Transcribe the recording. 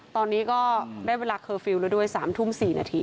ตอนนี้ก็ได้เวลาเคอร์ฟิลล์แล้วด้วย๓ทุ่ม๔นาที